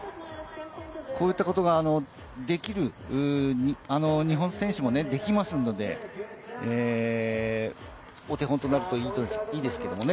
こういったことができる日本選手もいるので、お手本となるといいですけれどね。